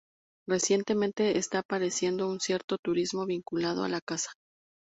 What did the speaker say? Recientemente está apareciendo un cierto turismo vinculado a la caza.